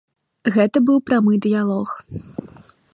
Гэта быў прамы дыялог.